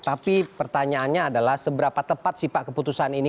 tapi pertanyaannya adalah seberapa tepat sih pak keputusan ini